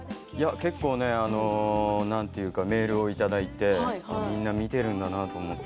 結構ね、なんていうかメールをいただいてみんな見てるんだなと思って。